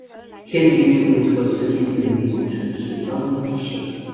天津出租车是天津的一种城市交通方式。